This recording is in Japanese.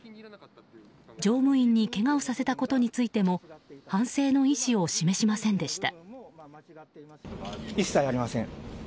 乗務員にけがをさせたことについても反省の意思を示しませんでした。